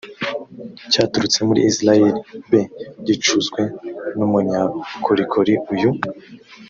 cyaturutse muri isirayeli b gicuzwe n umunyabukorikori uyu